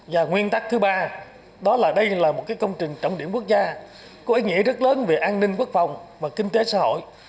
và nguyên tắc thứ ba đó là đây là một công trình trọng điểm quốc gia có ý nghĩa rất lớn về an ninh quốc phòng và kinh tế xã hội